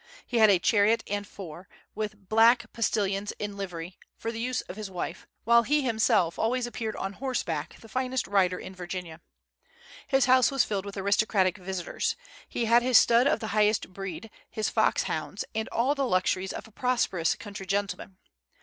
He had a chariot and four, with black postilions in livery, for the use of his wife, while he himself always appeared on horseback, the finest rider in Virginia. His house was filled with aristocratic visitors. He had his stud of the highest breed, his fox hounds, and all the luxuries of a prosperous country gentleman.